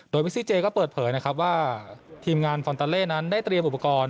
โดยเมซิเจก็เปิดเผยนะครับว่าทีมงานฟอนตาเล่นั้นได้เตรียมอุปกรณ์